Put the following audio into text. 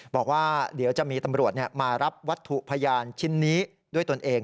บอกว่าเดี๋ยวจะมีตำรวจมารับวัตถุพยานชิ้นนี้ด้วยตนเอง